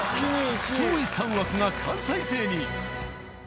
上位３枠が関西勢に。